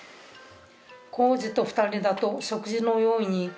「浩二と二人だと食事の用意に」